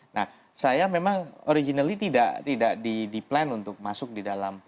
nah saya memang secara asal tidak di plan untuk berada di indonesia